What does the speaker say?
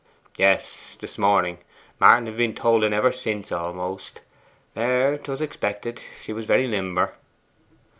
'Yes, this morning. Martin hev been tolling ever since, almost. There, 'twas expected. She was very limber.